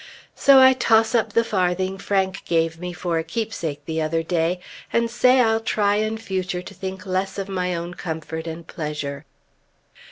So I toss up the farthing Frank gave me for a keepsake the other day, and say I'll try in future to think less of my own comfort and pleasure.